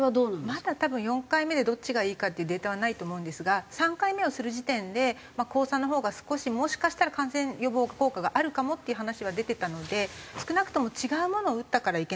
まだ多分４回目でどっちがいいかっていうデータはないと思うんですが３回目をする時点で交差のほうが少しもしかしたら感染予防効果があるかもっていう話は出てたので少なくとも。